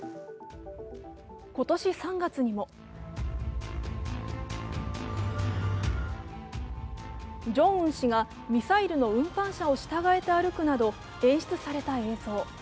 今年３月にもジョンウン氏がミサイルの運搬車を従えて歩くなど演出された映像。